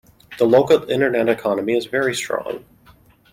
The local internet economy is very strong.